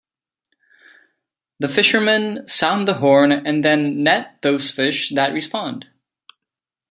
The fishermen sound the horn and then net those fish that respond.